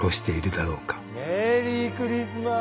メリークリスマス！